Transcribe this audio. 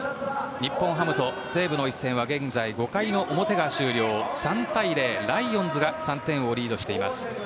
日本ハムと西武の一戦は現在、５回の表が終了３対０、ライオンズが３点をリードしています。